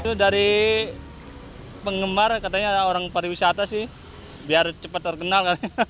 itu dari penggemar katanya orang pariwisata sih biar cepat terkenal